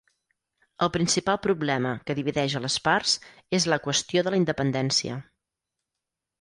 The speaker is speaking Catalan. El principal problema que divideix a les parts és la qüestió de la independència.